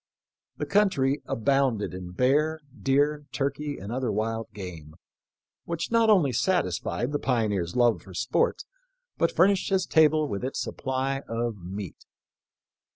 The country abounded in bear, deer, turkey, and other wild game, which not only satisfied the pioneer's love for sport, but furnished his table with its supply of meat.